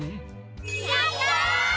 やった！